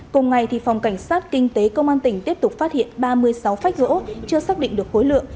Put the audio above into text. cùng ngày phòng cảnh sát kinh tế công an tỉnh tiếp tục phát hiện ba mươi sáu phách gỗ chưa xác định được khối lượng